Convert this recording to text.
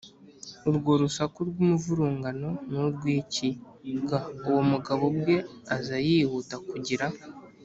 urwo rusaku rw umuvurungano ni urw iki g Uwo mugabo ubwe aza yihuta kugira